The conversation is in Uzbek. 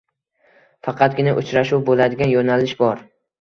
Faqatgina uchrashuv boʻladigan yoʻnalish bor.